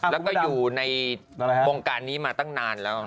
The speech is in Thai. แล้วก็อยู่ในวงการนี้มาตั้งนานแล้ว